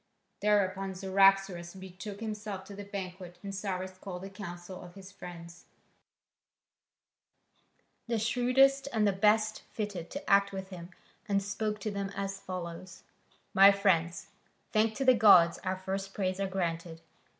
Thereupon Cyaxares betook himself to the banquet and Cyrus called a council of his friends, the shrewdest and the best fitted to act with him, and spoke to them as follows: "My friends, thanks to the gods, our first prayers are granted.